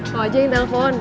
lo aja yang telepon